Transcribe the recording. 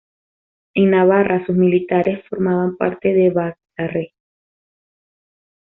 En Navarra sus militantes formaban parte de Batzarre.